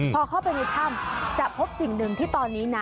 พอเข้าไปในถ้ำจะพบสิ่งหนึ่งที่ตอนนี้นะ